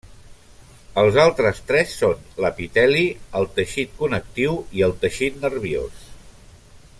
Els altres tres són l'epiteli, el teixit connectiu i el teixit nerviós.